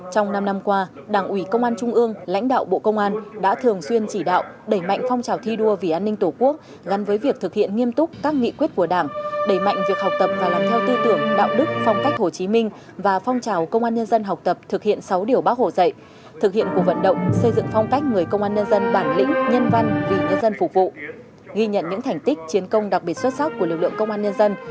trong năm năm qua đảng ủy công an trung ương lãnh đạo bộ công an đã thường xuyên chỉ đạo đẩy mạnh phong trào thi đua vì an ninh tổ quốc gắn với việc thực hiện nghiêm túc các nghị quyết của đảng đẩy mạnh việc học tập và làm theo tư tưởng đạo đức phong cách hồ chí minh và phong trào công an nhân dân học tập thực hiện sáu điều bác hổ dạy thực hiện cuộc vận động xây dựng phong cách người công an nhân dân bản lĩnh nhân văn vị nhân dân phục vụ ghi nhận những thành tích chiến công đặc biệt xuất sắc của lực lượng công an nhân dân